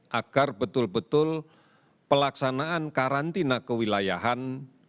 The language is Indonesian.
kami juga dengan ketat agar betul betul pelaksanaan karantina kewilayahan